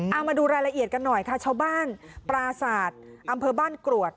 เอามาดูรายละเอียดกันหน่อยค่ะชาวบ้านปราศาสตร์อำเภอบ้านกรวด